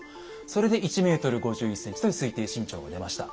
それで１ｍ５１ｃｍという推定身長が出ました。